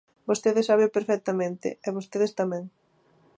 Vostede sábeo perfectamente e vostedes tamén.